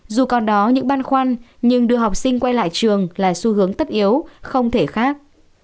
dù còn đó những băn khoăn nhưng đưa học sinh quay lại trường là xu hướng tất yếu không thể khác